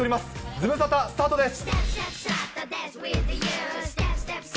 ズムサタ、スタートです。